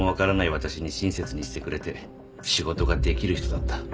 私に親切にしてくれて仕事ができる人だった。